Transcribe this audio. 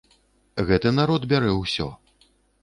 Гэты народ бярэ ўсё.